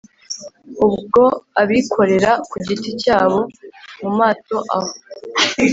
ubw abikorera ku giti cyabo mu mato aho